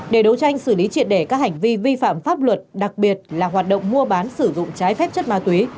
để đấu tranh xử lý triệt để các hành vi vi phạm pháp luật đặc biệt là hoạt động mua bán sử dụng trái phép chất ma túy